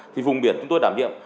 thì vùng biển chúng tôi đảm nhiệm